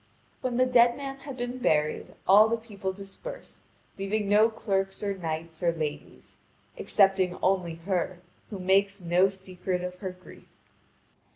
When the dead man had been buried, all the people dispersed, leaving no clerks or knights or ladies, excepting only her who makes no secret of her grief.